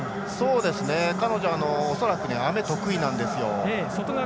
彼女、恐らく雨得意なんですよ。